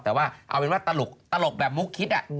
แต่ว่าเอาเป็นว่าตลกแบบมุกคิด